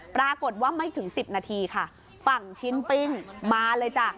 ปรากฏว่าไม่ถึง๑๐นาทีค่ะฝั่งชิ้นปิ้งมาเลยจ้ะ